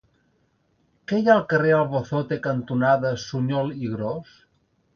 Què hi ha al carrer Albacete cantonada Suñol i Gros?